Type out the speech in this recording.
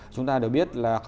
chúng ta đều biết là